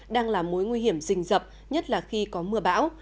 đang là mối nguy hiểm rình rập nhất là khi có mưa bão